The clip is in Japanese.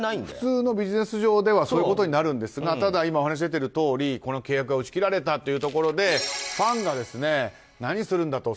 普通のビジネス上ではそういうことになるんですがただ、今お話に出てるとおり契約が打ち切られたというところでファンが何をするんだ。